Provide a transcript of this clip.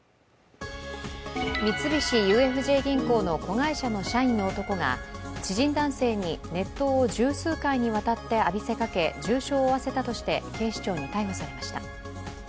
三菱ＵＦＪ銀行の子会社の社員の男が知人男性に熱湯を十数回にわたって浴びせかけ、重傷を負わせたとして警視庁に逮捕されました。